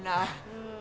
うん。